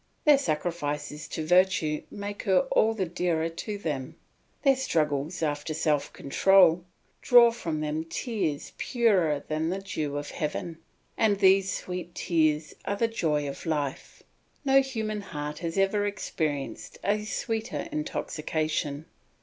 Their sacrifices to virtue make her all the dearer to them. Their struggles after self control draw from them tears purer than the dew of heaven, and these sweet tears are the joy of life; no human heart has ever experienced a sweeter intoxication.